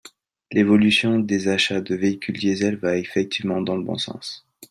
L’évolution des achats de véhicules diesel va effectivement dans le bon sens.